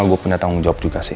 gue punya tanggung jawab juga sih